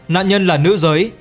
nạn nhân là nữ giới